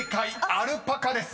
「アルパカ」です］